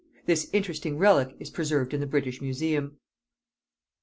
This interesting relic is preserved in the British Museum.